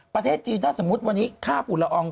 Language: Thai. ประเทศจีนถ้าสมมุติวันนี้ค่าฝุ่นละออง